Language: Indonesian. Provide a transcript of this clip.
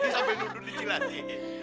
sambil duduk dijelati